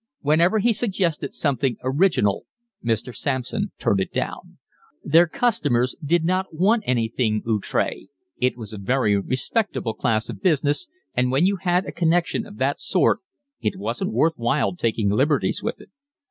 Whenever he suggested something original Mr. Sampson turned it down: their customers did not want anything outre, it was a very respectable class of business, and when you had a connection of that sort it wasn't worth while taking liberties with it.